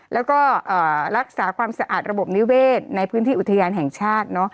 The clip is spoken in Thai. แล้วก็รักษาความสะอาดระบบนิเวศในพื้นที่อุทยานแห่งชาติ